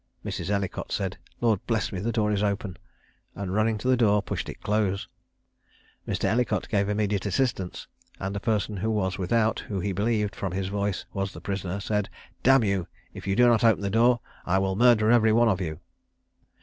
Mrs. Ellicott said, "Lord bless me, the door is open!" and running to the door, pushed it close. Mr. Ellicott gave immediate assistance; and a person who was without, who he believed from his voice was the prisoner, said, "D n you, if you do not open the door, I will murder every one of you!"